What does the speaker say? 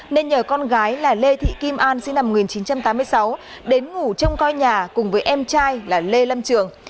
nên nhờ con gái là lê thị kim an sinh năm một nghìn chín trăm tám mươi sáu đến ngủ trong coi nhà cùng với em trai là lê lâm trường